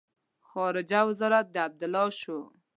خارجه وزارت د عبدالله شو.